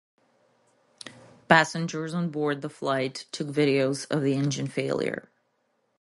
Passengers on board the flight took videos of the engine failure.